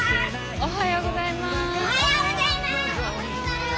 おはようございます！